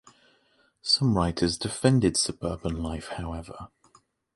Some writers defended suburban life, however.